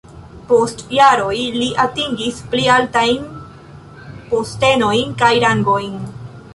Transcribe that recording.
Post jaroj li atingis pli altajn postenojn kaj rangojn.